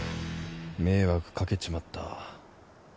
迷惑かけちまった